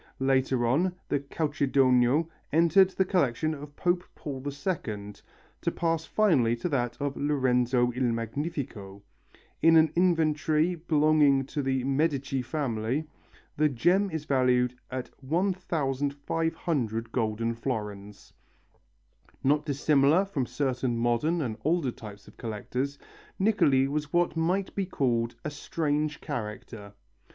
Later on the "calcedonio" entered the collection of Pope Paul II, to pass finally to that of Lorenzo il Magnifico. In an inventory belonging to the Medici family the gem is valued at 1500 golden florins. Not dissimilar from certain modern and older types of collectors, Niccoli was what might be called a strange character.